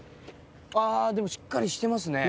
あぁでもしっかりしてますね